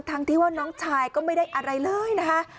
ทั้งที่ว่าน้องชายก็ไม่ได้อะไรเลยนะคะ